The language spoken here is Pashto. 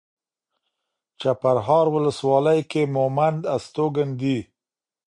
چپرهار ولسوالۍ کې مومند استوګن دي.